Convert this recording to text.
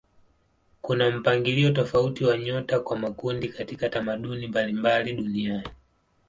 Kuna mpangilio tofauti wa nyota kwa makundi katika tamaduni mbalimbali duniani.